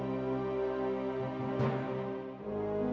sih ke calculating kaos dan bodoh